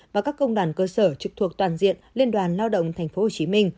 và các công đoàn cơ sở trực thuộc toàn diện liên đoàn lao động tp hcm